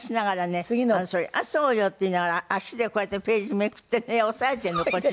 「そりゃそうよ」って言いながら足でこうやってページめくってね押さえてるのこっちで。